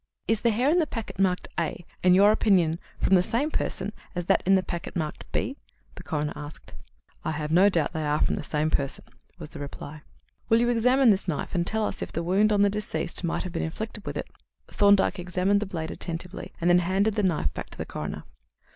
"Is the hair in the packet marked A in your opinion from the same person as that in the packet marked B?" the coroner asked. "I have no doubt that they are from the same person," was the reply. "Will you examine this knife and tell us if the wound on the deceased might have been inflicted with it?" Thorndyke examined the blade attentively, and then handed the knife back to the coroner.